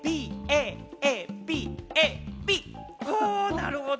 なるほど。